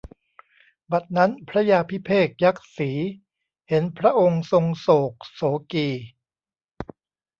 บัดนั้นพระยาภิเภกยักษี เห็นพระองค์ทรงโศกโศกี